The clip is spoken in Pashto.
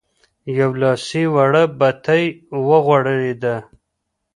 يوه لاسي وړه بتۍ ورغړېده.